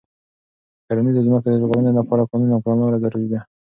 د کرنیزو ځمکو د ژغورنې لپاره قانون او کړنلاره ضروري ده.